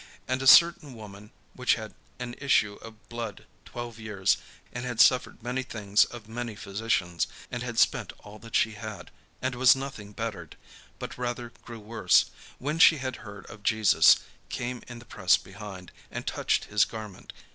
And a certain woman, which had an issue of blood twelve years, and had suffered many things of many physicians, and had spent all that she had, and was nothing bettered, but rather grew worse, when she had heard of Jesus, came in the press behind, and touched his garment.